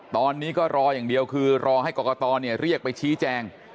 ตอนนี้ก็รออย่างเดียวคือรอให้กรกตเรียกไปชี้แจง